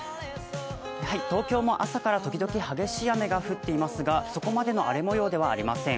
東京も朝からときどき激しい雨が降っていますがそこまでの荒れ模様ではありません。